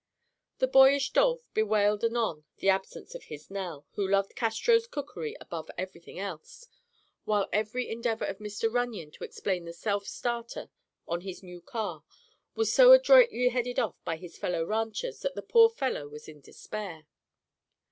The boyish Dolph bewailed anon the absence of his "Nell," who loved Castro's cookery above everything else, while every endeavor of Mr. Runyon to explain the self starter on his new car was so adroitly headed off by his fellow ranchers that the poor fellow was in despair.